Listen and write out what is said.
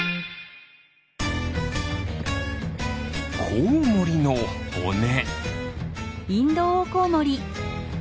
コウモリのほね。